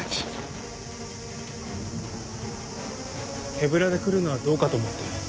手ぶらで来るのはどうかと思って。